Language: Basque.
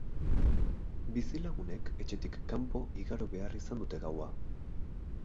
Bizilagunek etxetik kanpo igaro behar izan dute gaua.